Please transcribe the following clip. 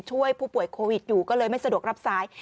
ช่วยผู้ป่วยโควิดอยู่ก็เลยไม่สะดวกรับสาย